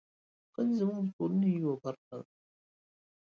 ښځې زموږ د ټولنې یوه برخه ده.